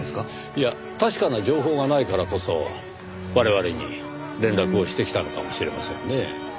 いや確かな情報がないからこそ我々に連絡をしてきたのかもしれませんねぇ。